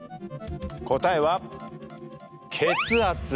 答えは「血圧」。